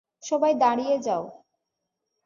সবাই দাঁড়িয়ে যাও।